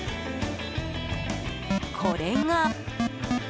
これが。